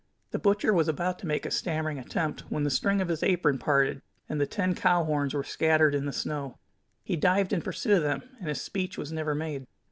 The butcher was about to make a stammering attempt when the string of his apron parted, and the ten cow horns were scattered in the snow. He dived in pursuit of them, and his speech was never made.